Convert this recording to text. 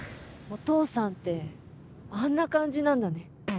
お父さんってあんな感じなんだね。